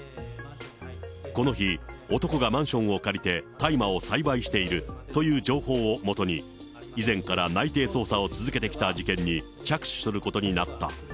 この日、男がマンションを借りて、大麻を栽培しているという情報をもとに、以前から内偵捜査を続けてきた事件に着手することになった。